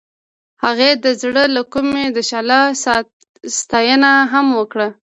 هغې د زړه له کومې د شعله ستاینه هم وکړه.